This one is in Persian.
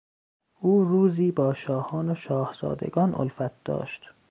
او روزی با شاهان و شاهزادگان الفت داشت.